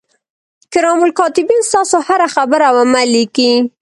کرام الکاتبین ستاسو هره خبره او عمل لیکي.